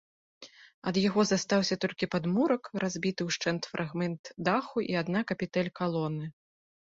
Ад яго застаўся толькі падмурак, разбіты ўшчэнт фрагмент даху і адна капітэль калоны.